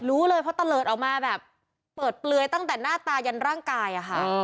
รู้เลยเพราะตะเลิศออกมาแบบเปิดเปลือยตั้งแต่หน้าตายันร่างกายอะค่ะ